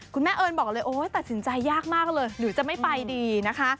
คุณแม่เอิ้นบอกเลยตัดสินใจยากมากเลยหรือจะไม่ไปดีนะคะ